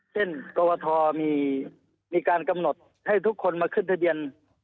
กรวทมีการกำหนดให้ทุกคนมาขึ้นทะเบียน